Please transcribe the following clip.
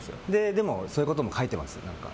でも、そういうことも書いてます。